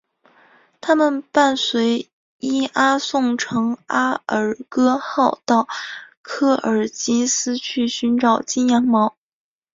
他们伴随伊阿宋乘阿尔戈号到科尔基斯去寻找金羊毛。